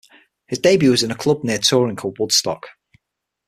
His debut was in a club near Turin called "Woodstock".